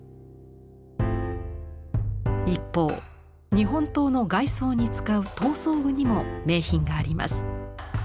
一方日本刀の外装に使う刀装具にも名品があります。